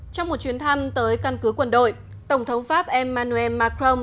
trong một chuyến thăm tới căn cứ quân đội tổng thống pháp emmanuel macron